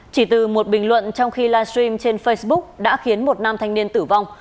chỉ từ một bình luận trong khi live stream trên facebook đã khiến một nam thanh niên tử vong